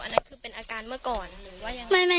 นั่นคือเป็นอาการเมื่อก่อนหรือว่ายังไง